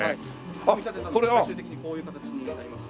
組み立てたのが最終的にこういう形になります。